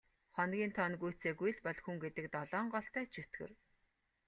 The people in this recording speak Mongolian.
Хоногийн тоо нь гүйцээгүй л бол хүн гэдэг долоон голтой чөтгөр.